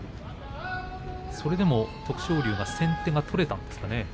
それでも徳勝龍は先手が取れたんですかね。